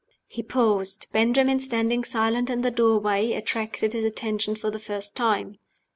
He paused. Benjamin, standing silent in the doorway, attracted his attention for the first time.